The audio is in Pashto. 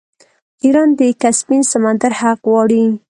ایران د کسپین سمندر حق غواړي.